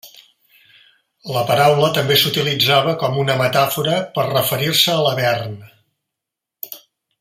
La paraula també s'utilitzava com una metàfora per referir-se a l'avern.